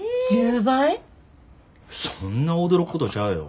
そんな驚くことちゃうやろ。